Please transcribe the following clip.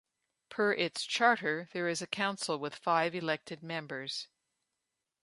Per its charter, there is a council with five elected members.